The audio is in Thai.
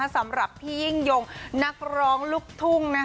สำหรับพี่ยิ่งยงนักร้องลูกทุ่ง